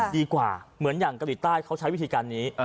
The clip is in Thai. ดีกว่าเหมือนอย่างเกาหลีใต้เขาใช้วิธีการนี้